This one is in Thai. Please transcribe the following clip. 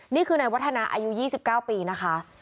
นี่คือนายวัฒนาอายุ๒๙ปีนะคะ